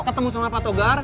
ketemu sama pak togar